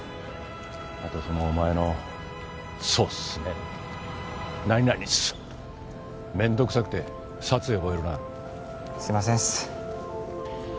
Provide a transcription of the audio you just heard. あとそのお前の「そうっすね」とか「何々っす」とか面倒くさくて殺意覚えるな。すいませんっす。